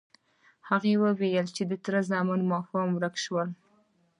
هغه وویل چې تره زامن ماښام ورک شول.